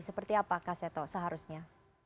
seperti apa kak seto seharusnya